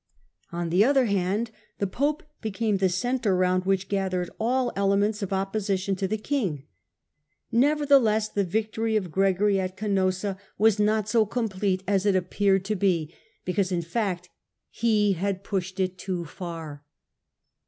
On the other hand the pope became the centre round which gathered all elements of opposition to the king. Nevertheless, the victory of Gregory at Canossa .gitized by Google 134 HiLDRBRAND was not 80 complete as it appeared to be, becanse, in fact, he had pushed it too far.